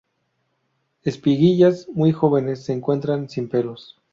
Espiguillas muy jóvenes; se encuentran sin pelos.